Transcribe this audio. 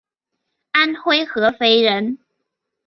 安徽合肥人。